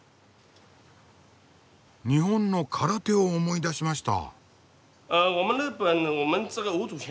日本の空手を思い出しました。